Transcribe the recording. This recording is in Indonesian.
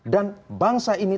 dan bangsa ini